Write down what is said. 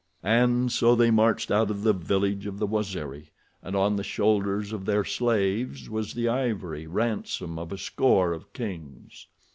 And so they marched out of the village of the Waziri, and on the shoulders of their slaves was the ivory ransom of a score of kings.